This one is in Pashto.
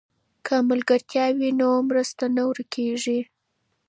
که ملګرتیا وي نو مرسته نه ورکېږي.